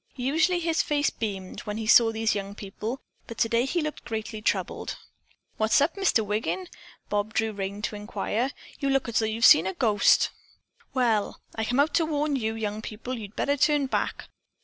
Usually his face beamed when he saw these young people, but today he looked greatly troubled. "What's up, Mr. Wiggin?" Bob drew rein to inquire. "You look as though you'd seen a ghost." "Well, I came out to warn you young people you'd better turn back.